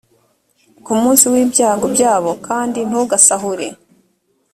ku munsi w ibyago byabo kandi ntugasahure